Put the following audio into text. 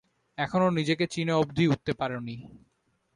এখনো নিজেকে চিনে অব্ধি উঠতে পারোনি।